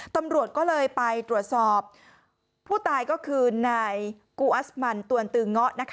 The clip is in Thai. ตำรวจก็เลยไปตรวจสอบผู้ตายก็คือนายกูอัสมันตวนตือเงาะ